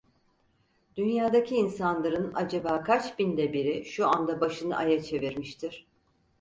Dünyadaki insanların acaba kaç binde biri şu anda başını aya çevirmiştir?